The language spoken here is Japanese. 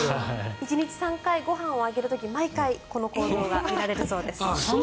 １日３回ご飯をあげる時毎回この行動が見られるそうです。